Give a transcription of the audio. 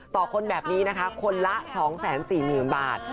ต่อคนแบบนี้นะคะคนละ๒๔๐๐๐บาท